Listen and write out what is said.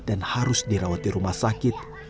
dan harus dirawat di rumah sakit